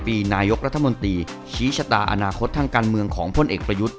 ปีนายกรัฐมนตรีชี้ชะตาอนาคตทางการเมืองของพลเอกประยุทธ์